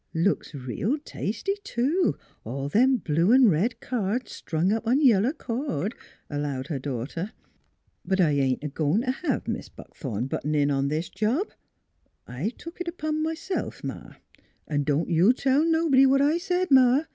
" Looks reel tasty, too, all them blue an' red cards strung up on yellow cord," allowed her daughter. " But I ain't a goin' t' hev Mis' Buck thorn buttin' in on this job. I've took it upon myself, Ma. ... An' don't you tell nobody what I said, Ma.